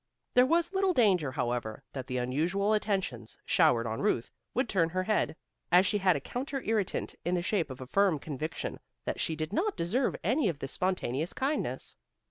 There was little danger however, that the unusual attentions showered on Ruth would turn her head, as she had a counter irritant in the shape of a firm conviction that she did not deserve any of this spontaneous kindness.